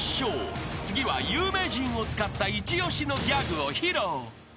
［次は有名人を使った一押しのギャグを披露］